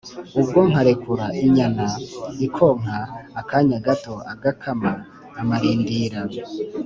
ubwo nkarekura inyana ikonka akanya gato agakama amarindira